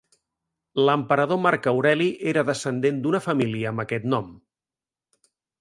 L'emperador Marc Aureli era descendent d'una família amb aquest nom.